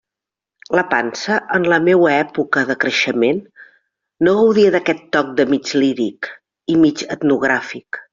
La pansa, en la meua època de creixement, no gaudia d'aquest toc mig líric i mig etnogràfic.